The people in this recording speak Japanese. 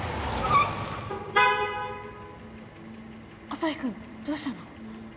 アサヒくんどうしたの？